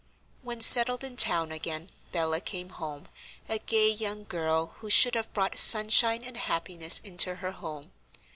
When settled in town again Bella came home, a gay, young girl, who should have brought sunshine and happiness into her home.